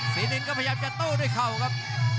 นินก็พยายามจะโต้ด้วยเข่าครับ